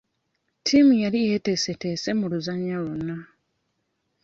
Ttiimu yali teyeteeseteese mu luzannya lwonna.